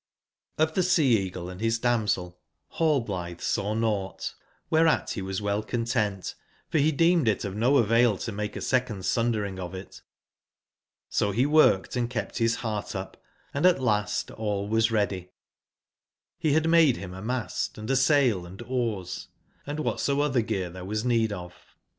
jf tbe Sea/eagle and his damsel, Hallblithe saw nought; whereat be was well content, for he deemed itof no avail to make a second (i^J) sundering of itj^So he worked and kept bis heart up, & at last all was ready ; be bad made him a mast and a sail, and oars, an dwbatso/other gear there was need of.